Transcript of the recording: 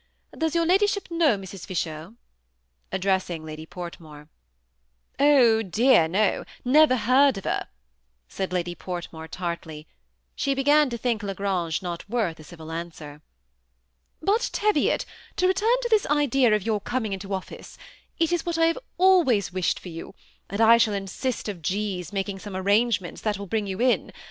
Does your ladyship know Mrs. Fisher ?" addressing Lady Portmore. " Oh dear, no ; never heard of her," said Lady Port more, tartly. She began to think La Grange not worth a civil answer. " But, Teviot, to return to this idea of your coming into office. It is what I have always wished for you ; and I shall insist on G.'s making some arrangement that will bring you in.